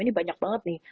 ini banyak banget nih